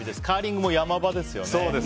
カーリングも山場ですよね。